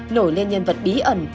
nổi lên nhân vật bí ẩn